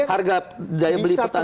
harga jaya beli putani turun